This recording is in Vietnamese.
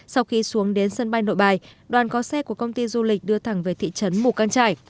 sau khi xuống đến sân bay nội bài đoàn có xe của công ty du lịch đưa thẳng về thị trấn mù căng trải